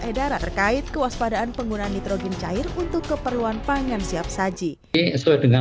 e darah terkait kewaspadaan penggunaan nitrogen cair untuk keperluan pangan siap saji itu dengan